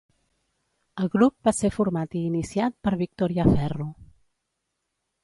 El grup va ser format i iniciat per Victoria Ferro.